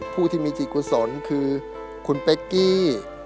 ผู้ที่มีจิตกุศลคือคุณเป๊กกี้